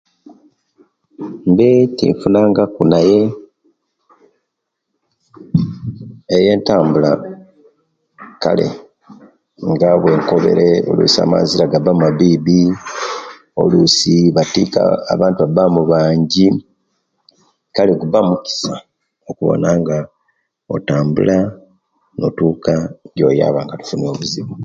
Mbe tefunangaku naye, eyo entambula kale; nga owenkolere oluisi amangira agaba mabiibi olwisi batika , abantu babaamu bangi, kale gguba mukisa okubona nga otambula notuuka ejoyaba nga tofunire obuzibu.